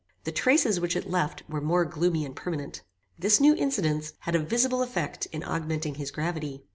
The traces which it left were more gloomy and permanent. This new incident had a visible effect in augmenting his gravity.